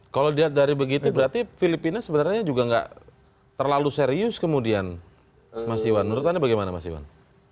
kalau dilihat dari begitu berarti filipina sebenarnya juga nggak terlalu serius kemudian mas iwan menurut anda bagaimana mas iwan